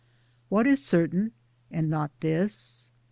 What is certain, and not this